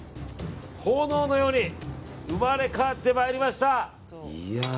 炎のように生まれ変わってまいりました。